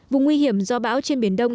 vùng nguy hiểm do bão trên biển đông